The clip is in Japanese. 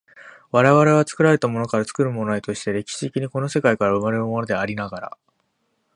我々は作られたものから作るものへとして、歴史的にこの世界から生まれるものでありながら、